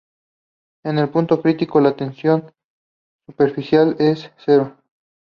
En el punto crítico, la tensión superficial es cero.